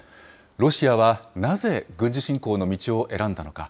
ロシアはなぜ軍事侵攻の道を選んだのか。